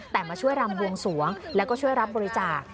แต่มาช่วยรำบวงสวงแล้วก็ช่วยรับบริจาค